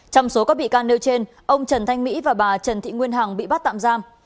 trong số các bị can nêu trên ông trần thanh mỹ và bà trần thị nguyên hằng bị bắt tạm giam